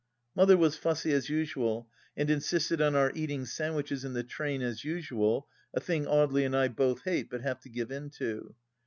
Mother was fussy as usual, and insisted on our eating sandwiches in the train as usual, a thing Audely and I both hate, but have to give in to.